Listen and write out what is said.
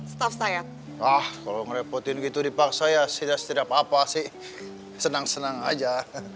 staff saya ah kalau ngerepotin gitu dipaksa ya tidak setidak apa sih senang senang aja